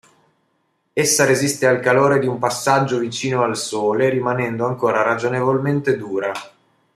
Essa resiste al calore di un passaggio vicino al Sole rimanendo ancora ragionevolmente dura.